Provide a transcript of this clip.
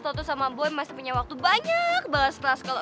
lo tuh sama boy masih punya waktu banyak banget setelah sekolah